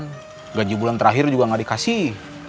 dan uang uji bulan terakhir juga gak dikasih